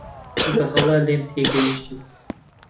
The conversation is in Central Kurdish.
بەهەڵە لێم تێگەیشتی.